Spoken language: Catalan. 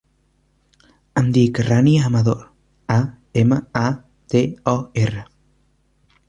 Em dic Rània Amador: a, ema, a, de, o, erra.